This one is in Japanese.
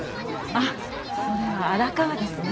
あっそれは荒川ですね。